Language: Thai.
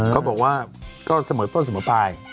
เขาบอกว่าก็เสมอต้นเสมอไป